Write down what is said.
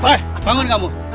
pak bangun kamu